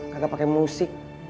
kagak pakai musik